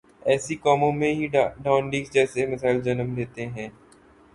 ایسی قوموں میں ہی ڈان لیکس جیسے مسائل جنم لیتے ہیں۔